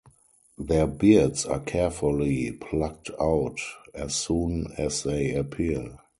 Their beards are carefully plucked out as soon as they appear.